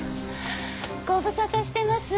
ご無沙汰してます。